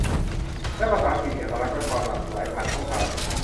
และภาษาถิ่นที่มีอัตลักษณ์และความหลากหลายผ่านช่องทาง